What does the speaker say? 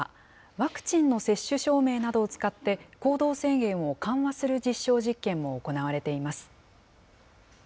ワクチンの接種証明などを使って、行動制限を緩和する実証実験も行われています。